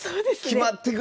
決まってくれ！